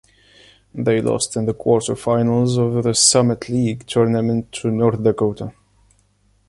They lost in the quarterfinals of the Summit League Tournament to North Dakota.